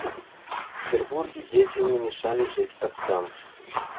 В Петербурге дети не мешали жить отцам.